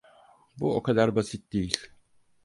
Bu o kadar basit değil.